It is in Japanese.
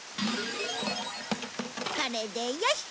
これでよし！